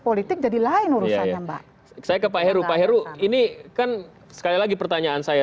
politik jadi lain urusannya saya ke pak heru pak heru ini kan sekali lagi pertanyaan saya